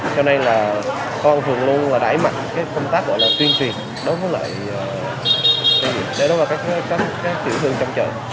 cho nên là con thường luôn đáy mạnh công tác tuyên truyền đối với lại tiểu thương trong chợ